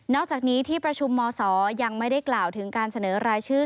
อกจากนี้ที่ประชุมมศยังไม่ได้กล่าวถึงการเสนอรายชื่อ